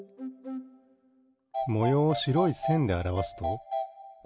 もようをしろいせんであらわすとこうなります。